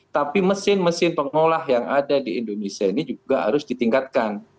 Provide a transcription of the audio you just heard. tapi mesin mesin pengolah yang ada di indonesia ini juga harus ditingkatkan